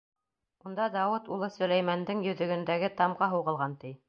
Унда Дауыт улы Сөләймәндең йөҙөгөндәге тамға һуғылған, ти.